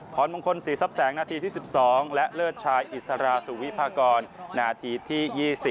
พรมงคลศรีทรัพย์แสงนาทีที่๑๒และเลิศชายอิสราสุวิพากรนาทีที่๒๐